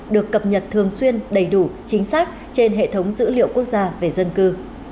được cập nhật thường xuyên đầy đủ chính xác trên hệ thống dữ liệu quốc gia về dân cư